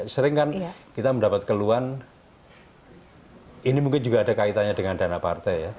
sering kan kita mendapat keluhan ini mungkin juga ada kaitannya dengan dana partai ya